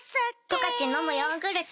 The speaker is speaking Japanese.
「十勝のむヨーグルト」